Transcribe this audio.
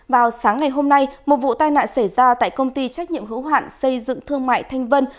vào sáng ngày hôm nay một vụ tai nạn xảy ra tại công ty trách nhiệm hữu hạn xây dựng thương mại thanh vân